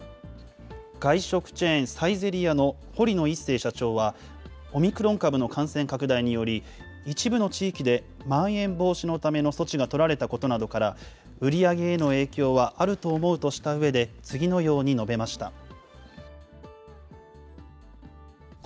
外食チェーン、サイゼリヤの堀埜一成社長は、オミクロン株の感染拡大により、一部の地域でまん延防止のための措置が取られたことなどから、売り上げへの影響はあると思うとしたうえで、次のように述べました。